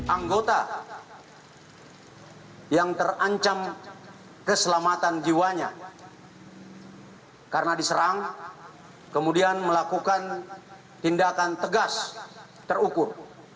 anggota yang terancam keselamatan jiwanya karena diserang kemudian melakukan tindakan tegas terukur